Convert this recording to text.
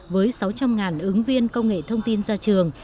với sáu trăm linh ứng viên công nghệ thông tin ra trường